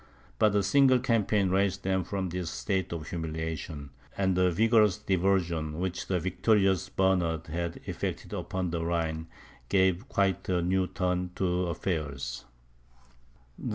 But a single campaign raised them from this state of humiliation; and the vigorous diversion, which the victorious Bernard had effected upon the Rhine, gave quite a new turn to affairs.